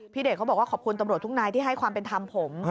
เดชเขาบอกว่าขอบคุณตำรวจทุกนายที่ให้ความเป็นธรรมผม